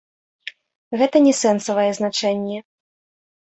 Гэта не сэнсавае значэнне.